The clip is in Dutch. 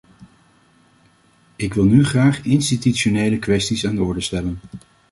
Ik wil nu graag institutionele kwesties aan de orde stellen.